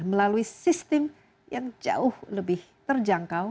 melalui sistem yang jauh lebih terjangkau